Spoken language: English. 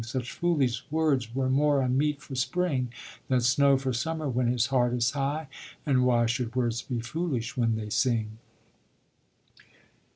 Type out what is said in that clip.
Such foolish words were more unmeet for spring Than snow for summer when his heart is high: And why should words be foolish when they sing?